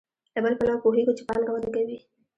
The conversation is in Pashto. له بل پلوه پوهېږو چې پانګه وده کوي